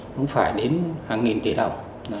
nó phải đến hàng nghìn tỷ đồng